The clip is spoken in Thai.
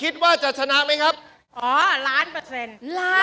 อ๋อล้านเปอร์เซ็นต์